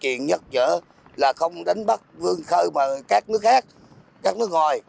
chuyện nhất nhớ là không đánh bắt vương khơi mà các nước khác các nước ngoài